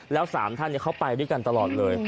แล้วสามท่านเนี่ยเค้าไปด้วยกันตลอดเลย